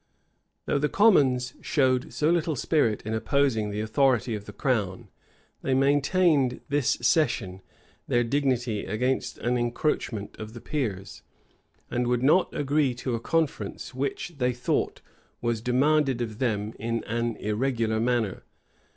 [] Though the commons showed so little spirit in opposing the authority of the crown, they maintained, this session, their dignity against an encroachment of the peers, and would not agree to a conference which, they thought, was demanded of them in an irregular manner.